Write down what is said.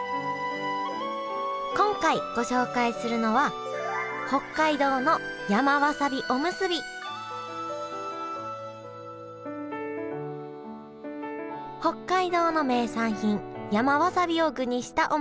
今回ご紹介するのは北海道の名産品山わさびを具にしたおむすびです。